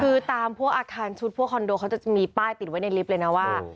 คือตามพวกอาคารชุดพวกคอนโดเขาจะมีป้ายติดไว้ในลิฟต์เลยนะว่า